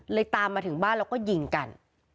เลยตามมาถึงบ้านเราก็ยิงกัน